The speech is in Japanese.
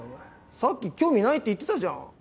さっき興味ないって言ってたじゃん。